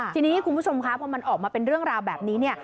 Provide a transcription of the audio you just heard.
ทีนี้คุณผู้ชมคะพอมันออกมาเป็นเรื่องราวแบบนี้เนี่ย